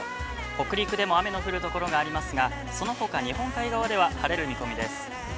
北陸でも雨の降る所がありますが、そのほか日本海側では晴れる見込みです。